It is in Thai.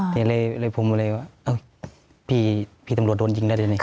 แกให้ล่มมาเลยว่าพี่พี่ตำรวจโดนยิงได้เลย